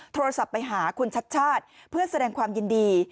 โทรศัพท์ไปหาคุณชัดชาติเพื่อแสดงความยินดี